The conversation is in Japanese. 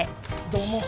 どうも。